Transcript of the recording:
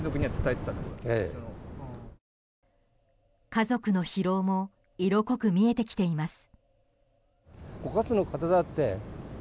家族の疲労も色濃く見えてきています。